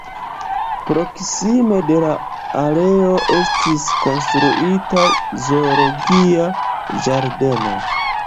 Proksime de la areo estis konstruita zoologia ĝardeno.